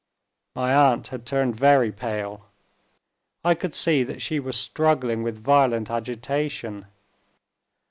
My aunt had turned very pale; I could see that she was struggling with violent agitation.